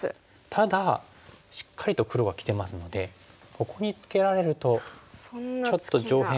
ただしっかりと黒はきてますのでここにツケられるとちょっと上辺が。